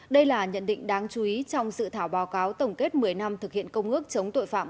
đây là nhận định đáng chú ý trong sự thảo báo cáo tổng kết một mươi năm thực hiện công ước chống tội phạm